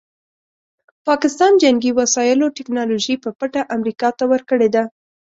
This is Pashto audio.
پاکستان جنګي وسایلو ټیکنالوژي په پټه امریکا ته ورکړې ده.